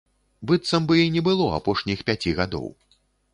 Быццам бы і не было апошніх пяці гадоў.